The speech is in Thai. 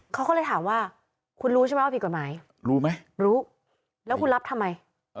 เขาก็เลยถามว่าคุณรู้ใช่ไหมว่าผิดกฎหมายรู้ไหมรู้แล้วคุณรับทำไม